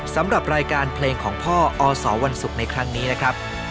สำหรับรายการเพลงของพ่ออสวันศุกร์ในครั้งนี้นะครับ